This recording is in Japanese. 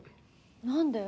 何で？